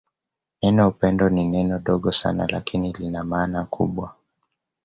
Neno upendo ni neno dogo sana lakini lina maana kubwa